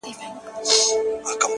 ستوري ډېوه سي ـهوا خوره سي ـ